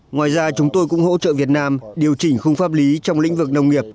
ngoài ra chúng tôi cũng hỗ trợ việt nam điều chỉnh khung pháp lý trong lĩnh vực nông nghiệp